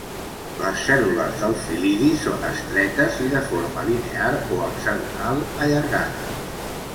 Les cèl·lules del fil·lidi són estretes i de forma linear o hexagonal allargada.